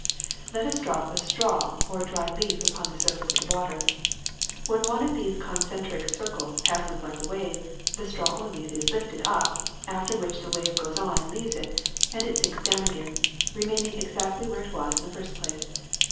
^^Let us drop a straw or a dry leaf upon the sur face of the water. When one of these concentric cir cles passes like a wave, the straw or leaf is lifted up, after which the wave goes on and leaves it, and it sinks down again, remaining exactly where it was in the first place.